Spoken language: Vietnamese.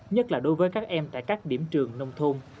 nhất là đối với các em tại các điểm trường nông thôn